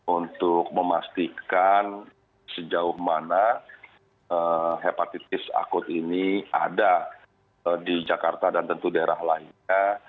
untuk memastikan sejauh mana hepatitis akut ini ada di jakarta dan tentu daerah lainnya